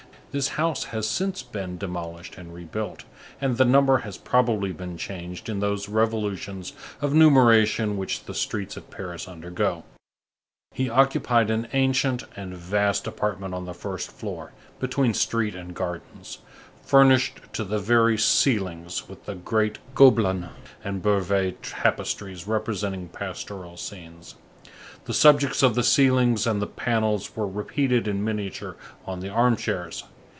This house has since been demolished and rebuilt, and the number has probably been changed in those revolutions of numeration which the streets of Paris undergo. He occupied an ancient and vast apartment on the first floor, between street and gardens, furnished to the very ceilings with great Gobelins and Beauvais tapestries representing pastoral scenes; the subjects of the ceilings and the panels were repeated in miniature on the armchairs.